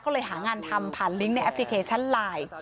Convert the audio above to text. ก็เลยหางานทำผ่านลิงก์ในแอปพลิเคชันไลน์